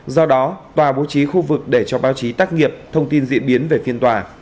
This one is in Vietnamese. do đó tòa bố trí khu vực để cho báo chí tác nghiệp thông tin diễn biến về phiên tòa